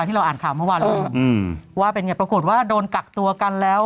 ที่เราอ่านค่าวะว่าหรือน่ะว่าเป็นไงปรากฏว่าโดนกักตัวกันแล้ว